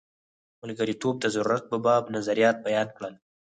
ملګرتوب د ضرورت په باب نظریات بیان کړل.